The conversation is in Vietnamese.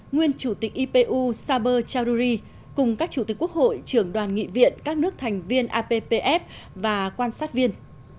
nguyên chủ tịch ipu saber chaduri cùng các chủ tịch quốc hội trưởng đoàn nghị viện các nước thành viên appf và quan sát viên